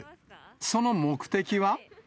その目的は。